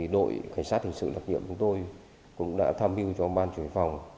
đội cảnh sát hình sự đặc nhiệm của chúng tôi cũng đã tham mưu cho ban chủ yếu phòng